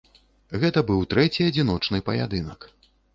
Гэта быў трэці адзіночны паядынак.